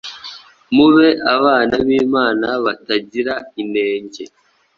mube abana b’Imana batagira inenge,